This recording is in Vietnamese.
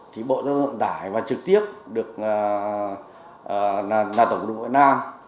thì bộ giao thông vận tải và trực tiếp được là tổng cục đường bộ việt nam